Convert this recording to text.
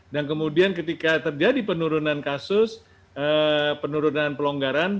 dan kemudian ketika terjadi penurunan kasus penurunan pelonggaran